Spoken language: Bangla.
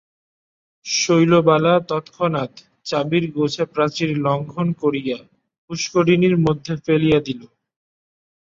শৈলবালা তৎক্ষণাৎ চাবির গোছা প্রাচীর লঙ্ঘন করিয়া পুষ্করিণীর মধ্যে ফেলিয়া দিল।